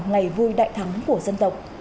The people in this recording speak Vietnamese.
ngày vui đại thắng của dân tộc